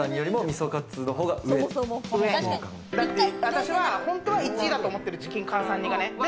私は本当は１位だと思ってる、チキンかあさん煮が。